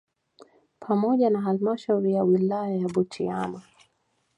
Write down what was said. Pamoja na halmashauri ya wilaya ya Butiama